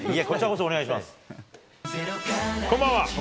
こんばんは。